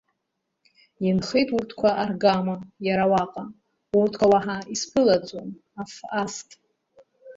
Инхеит урҭқәа аргама иара уаҟа, урҭқәа уаҳа исԥылаӡом, аф аст!